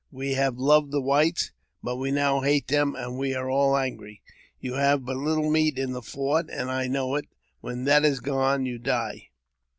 We have loved the whites, but we now hate them, and we are all angry. You have but little meat in the fort, and I know it ; when that is gone, you die."